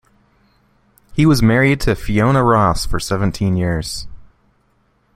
He was married to Fiona Ross for seventeen years.